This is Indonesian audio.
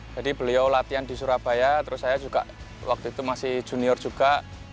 jadi beliau latihan di surabaya terus saya juga waktu itu masih junior juga